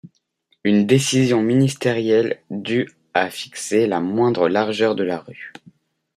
Une décision ministérielle du a fixé à la moindre largeur de la rue.